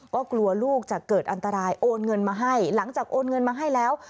ก็กลัวลูกจะเกิดอันตรายโอนเงินมาให้หลังจากโอนเงินมาให้แล้ว